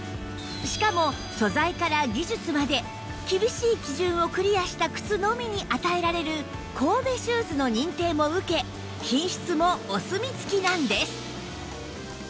しかも素材から技術まで厳しい基準をクリアした靴のみに与えられる神戸シューズの認定も受け品質もお墨付きなんです